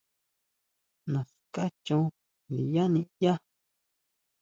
Naská chon ndinyá niʼyá.